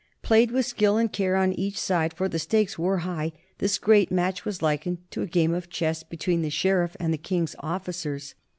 Played with skill and care on each side, for the stakes were high, this great match was likened to a game of chess between the sheriff and the king's officers.